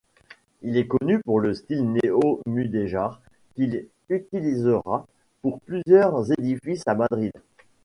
Il est connu pour le style néo-mudéjar qu'il utilisera pour plusieurs édifices à Madrid.